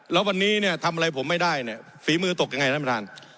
แล้ววันนี้เนี่ยทำอะไรผมไม่ได้เนี่ยฝีมือตกยังไงท่านประธาน